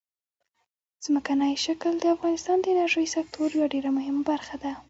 ځمکنی شکل د افغانستان د انرژۍ سکتور یوه ډېره مهمه برخه ده.